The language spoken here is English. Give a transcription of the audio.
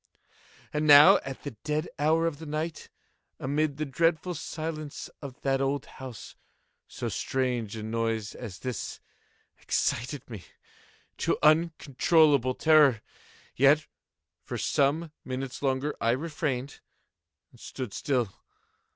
And now at the dead hour of the night, amid the dreadful silence of that old house, so strange a noise as this excited me to uncontrollable terror. Yet, for some minutes longer I refrained and stood still.